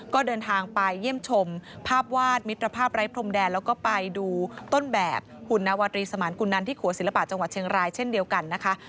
ก็เดินทางไปเยี่ยมชมภาพวาดมิตรภาพไร้พรมแดนแล้วก็ไปดูต้นแบบหุ่นนาวตรีสมานกุนนันที่ขัวศิลปะจังหวัดเชียงรายเช่นเดียวกันนะคะ